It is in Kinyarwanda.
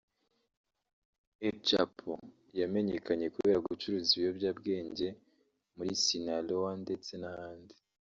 El Chapo yamenyekanye kubera gucuruza ibiyobyabwenge muri Sinaloa ndetse n’ahandi